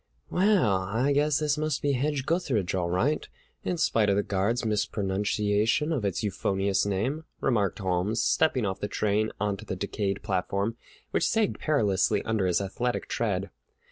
"Well, I guess this must be Hedge gutheridge all right, in spite of the guard's mispronunciation of its euphonious name," remarked Holmes, stepping off the train onto the decayed platform, which sagged perilously under his athletic tread.